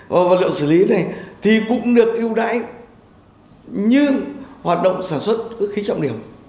và vật liệu xử lý này thì cũng được ưu đãi như hoạt động sản xuất vũ khí trọng điểm